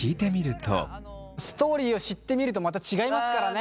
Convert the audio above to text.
ストーリーを知って見るとまた違いますからね。